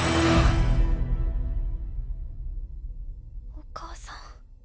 お母さん。